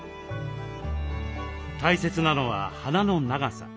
大切なのは花の長さ。